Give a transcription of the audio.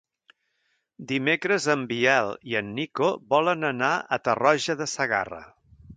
Dimecres en Biel i en Nico volen anar a Tarroja de Segarra.